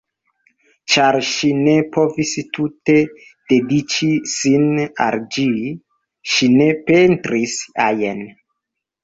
Ĉar ŝi ne povis tute dediĉi sin al ĝi, ŝi ne pentris ajn.